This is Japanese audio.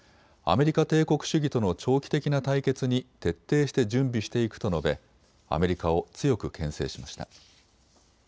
アメリカ帝国主義との長期的な対決に徹底して準備していくと述べ、アメリカを強くけん制しました。